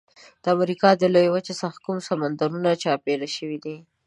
د امریکا له لویې وچې څخه کوم سمندرونه چاپیر شوي دي؟